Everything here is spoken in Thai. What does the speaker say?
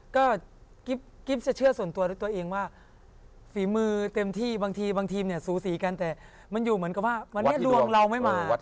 ก็กิ๊บจะเชื่อส่วนตัวด้วยตัวเองว่าฝีมือเต็มที่บางทีบางทีมเนี่ยสูสีกันแต่มันอยู่เหมือนกับว่าวันนี้ดวงเราไม่มา